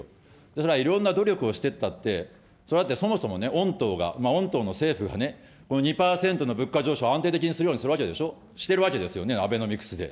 それはいろんな努力をしてったって、それだって、そもそも御党が、御党の政府がね、この２％の物価上昇を安定的にするようにするわけでしょ、してるわけですよね、アベノミクスで。